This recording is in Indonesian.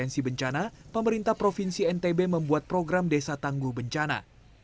dan potensi bencana pemerintah provinsi ntb membuat program desa tangguh bencana